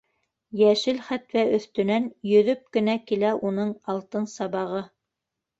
Йәшел хәтфә өҫтөнән йөҙөп кенә килә уның алтын сабағы!